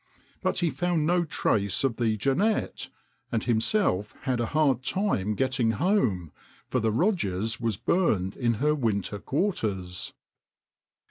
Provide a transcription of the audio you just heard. But he found no trace of the Jeannette, and himself had a hard time getting home, for the Rodgers was burned in her winter quarters.